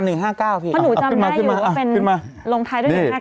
หนึ่งห้าเก้าพี่อ่าขึ้นมาขึ้นมาอ่าขึ้นมาลงท้ายด้วยหนึ่งห้า